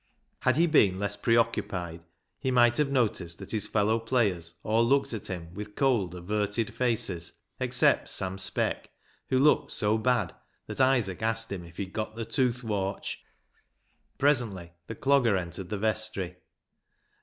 Had he been less preoccupied he might have noticed that his fellow players all looked at him with cold averted faces, except Sam Speck, who looked so bad that Isaac asked him if he'd got the " toothwarch." Presently the Clogger entered the vestry.